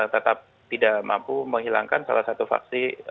tetap tidak mampu menghilangkan salah satu faksi